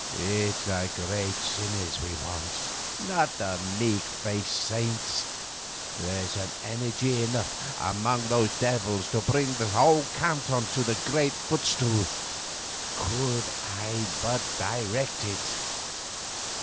'It's the great sinners we want, not the meek faced saints. There's energy enough among those devils to bring a whole Canton to the great Footstool, could I but direct it.